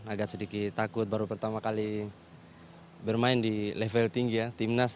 agak sedikit takut baru pertama kali bermain di level tinggi ya timnas